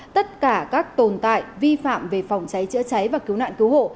tất cả các tồn tại vi phạm về phòng cháy chữa cháy và cứu nạn cứu hộ